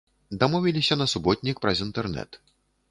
Дамовіліся на суботнік праз інтэрнэт.